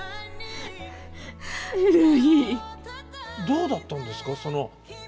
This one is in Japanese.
どうだったんですか？